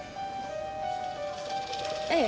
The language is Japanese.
ええ。